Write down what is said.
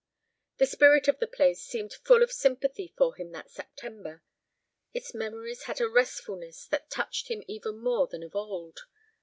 The spirit of the place seemed full of sympathy for him that September. Its memories had a restfulness that touched him even more than of old.